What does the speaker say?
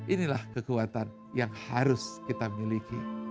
inilah kekuatan yang harus kita miliki